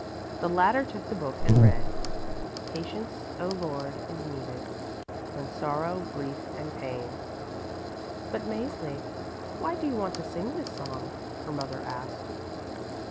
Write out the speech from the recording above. The latter took the book and read: "Patience Oh Lord, is needed, When sorrow, grief and pain" "But, Mäzli, why do you want to sing this song?" her mother asked.